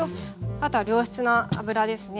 あとは良質な油ですね。